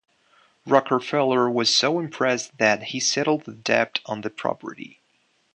Rockefeller was so impressed that he settled the debt on the property.